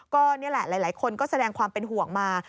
ก็นี่แหละหลายคนก็แสดงความเป็นห่วงมา